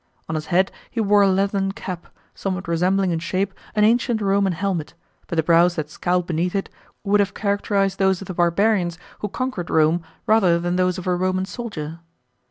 On his head he wore a leathern cap, somewhat resembling in shape an ancient Roman helmet; but the brows that scowled beneath it, would have characterised those of the barbarians, who conquered Rome, rather than those of a Roman soldier.